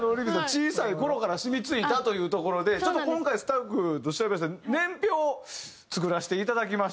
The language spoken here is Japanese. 小さい頃から染み付いたというところでちょっと今回スタッフと調べまして年表を作らせていただきました。